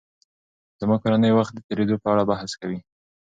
زما کورنۍ وخت د تېرېدو په اړه بحث کوي.